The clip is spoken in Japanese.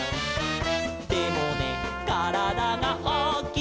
「でもねからだがおおきいので」